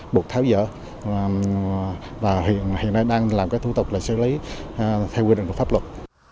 buộc tháo dỡ và hiện nay đang làm các thủ tục để xử lý theo quy định của pháp luật